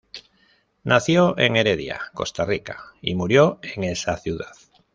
Nació en Heredia, Costa Rica y murió en esa ciudad.